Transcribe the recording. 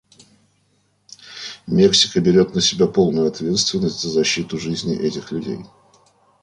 Мексика берет на себя полную ответственность за защиту жизни этих людей.